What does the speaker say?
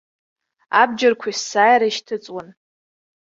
Абџьарқәа есааира ишьҭыҵуан.